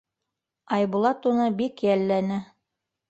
Айбулат уны бик йәлләне.